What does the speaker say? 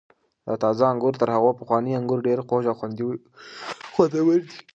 دا تازه انګور تر هغو پخوانیو انګور ډېر خوږ او خوندور دي.